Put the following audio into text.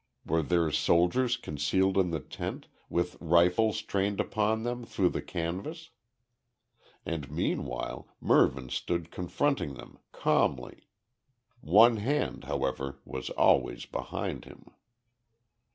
Were there soldiers concealed in the tent, with rifles trained upon them through the canvas? And meanwhile Mervyn stood confronting them, calmly; one hand, however, always behind him.